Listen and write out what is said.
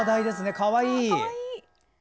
かわいい！